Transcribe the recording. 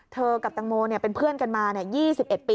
กับตังโมเป็นเพื่อนกันมา๒๑ปี